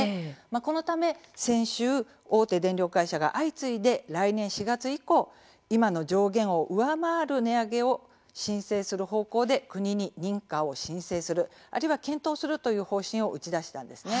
このため先週、大手電力会社が相次いで来年４月以降今の上限を上回る値上げを申請する方向で国に認可を申請するあるいは検討するという方針を打ち出したんです。